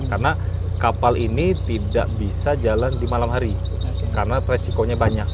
karena kapal ini tidak bisa jalan di malam hari karena resikonya banyak